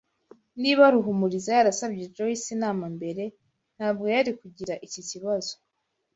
Niba Ruhumuriza yarasabye Joyce inama mbere, ntabwo yari kugira iki kibazo.